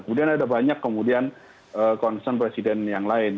kemudian ada banyak kemudian concern presiden yang lain